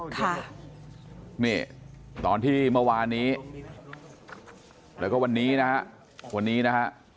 ค่ะนี่ตอนที่เมื่อวานนี้แล้วก็วันนี้นะฮะวันนี้นะฮะ